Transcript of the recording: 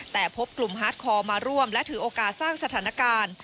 แต่พบกลุ่มฮาร์ดคอร์มาร่วมและถือโอกาสสร้างสถานการณ์